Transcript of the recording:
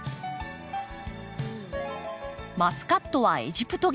マスカットはエジプト原産。